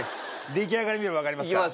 出来上がり見ればわかりますから。